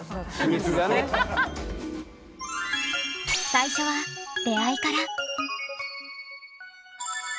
最初は出会いから。